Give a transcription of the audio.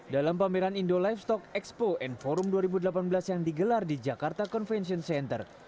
dalam pameran indo live stock expo and forum dua ribu delapan belas yang digelar di jakarta convention center